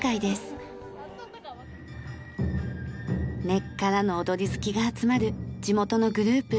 根っからの踊り好きが集まる地元のグループ。